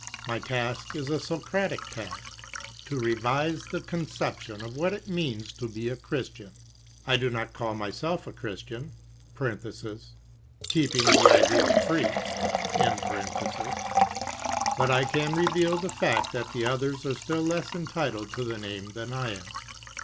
My task is a Socratic task — to revise the conception of what it means to be a Christian. I do not call myself a Chris tian (keeping the ideal free) but I can reveal the fact that the others are still less entitled to the name than I am.